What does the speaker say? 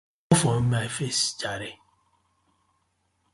Komot for mi face jare.